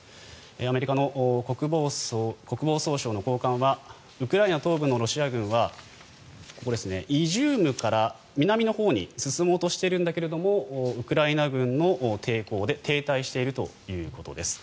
アメリカの国防総省の高官はウクライナ東部のロシア軍はイジュームから南のほうに進もうとしているんだけれどもウクライナ軍の抵抗で停滞しているということです。